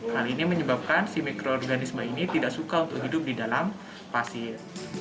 hal ini menyebabkan si mikroorganisme ini tidak suka untuk hidup di dalam pasir